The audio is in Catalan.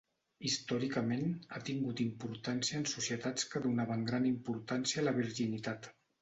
Històricament, ha tingut importància en societats que donaven gran importància a la virginitat.